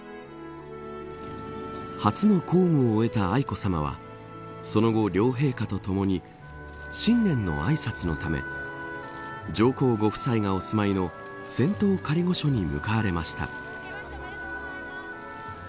初の公務を終えた愛子さまはその後、両陛下とともに新年のあいさつのため上皇ご夫妻がお住まいの仙洞仮御所に向かわれました。